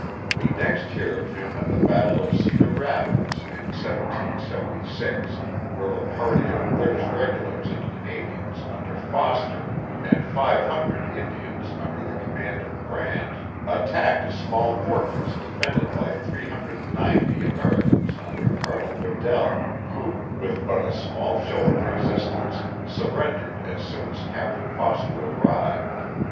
We next hear of him at the battle of Cedar Rapids, in 1776, where a party of British regu lars and Canadians under Foster, and five hundred Indians 262 The Mohawk Valley under the command of Brant attacked a small fortress de fended by 39a Americans under Cotonel Bedell, who, with but a small show of resistance, surrendered as soon as Captain Foster arrived.